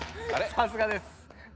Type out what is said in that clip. さすがです。